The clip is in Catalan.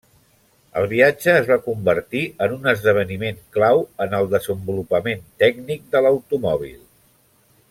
El viatge es va convertir en un esdeveniment clau en el desenvolupament tècnic de l'automòbil.